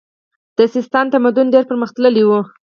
د سیستان تمدن ډیر پرمختللی و